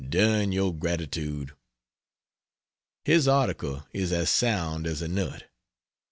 Dern your gratitude! His article is as sound as a nut.